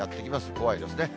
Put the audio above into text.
怖いですね。